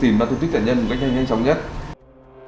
việc xác định danh tính nạn nhân được tiến hành hết sức khẩn trường